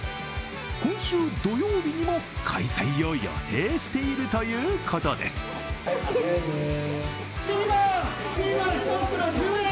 今週土曜日にも開催を予定しているということです。